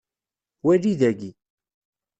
Wali dagi.